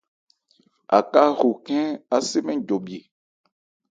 Aká ho khɛ́n á se mɛ́n jɔbhye.